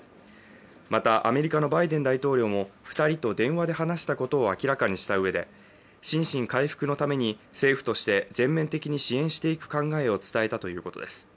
また、アメリカのバイデン大統領も２人と電話で話したことを明らかにしたうえで心身回復のために政府として全面的に支援していく考えを伝えたということです。